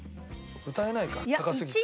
歌えないか高すぎて。